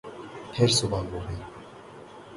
پھر صبح ہوگئی